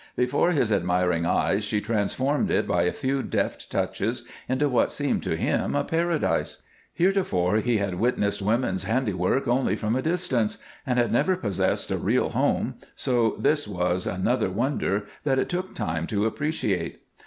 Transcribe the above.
Before his admiring eyes she transformed it by a few deft touches into what seemed to him a paradise. Heretofore he had witnessed women's handiwork only from a distance, and had never possessed a real home, so this was another wonder that it took time to appreciate.